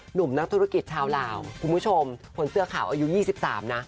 หนุ่มนักธุรกิจชาวลาวคุณผู้ชมคนเสื้อขาวอายุ๒๓นะ